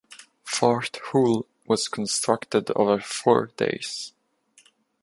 Fort Hull was constructed over four days.